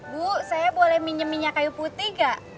bu saya boleh minum minyak kayu putih gak